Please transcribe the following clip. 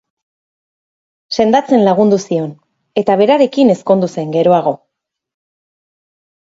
Sendatzen lagundu zion eta berarekin ezkondu zen geroago.